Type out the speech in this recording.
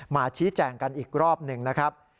ชี้แจงกันอีกรอบหนึ่งนะครับ